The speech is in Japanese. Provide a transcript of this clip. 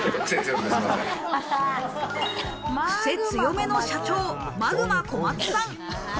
クセ強めの社長、マグマ小松さん。